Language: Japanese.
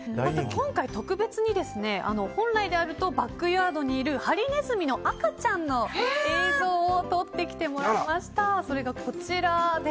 今回特別に本来であるとバックヤードにいるハリネズミの赤ちゃんの映像を撮ってきてもらいました。